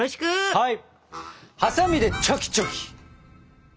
はい！